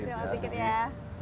spill spill dikit ya